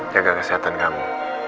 jaga kesehatan kamu